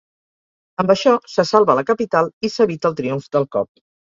Amb això, se salva la capital i s'evita el triomf del cop.